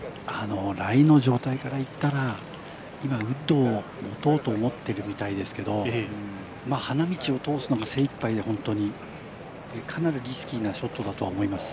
ライの状態からいったら、ウッドを持とうと思ってるみたいですけど花道を通すのが精いっぱいでかなりリスキーなショットだと思います。